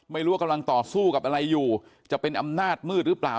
ไม่รู้ว่ากำลังต่อสู้กับอะไรอยู่จะเป็นอำนาจมืดหรือเปล่า